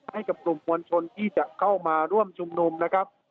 ให้กับกลุ่มมวลชนที่จะเข้ามาร่วมชุมนุมนะครับ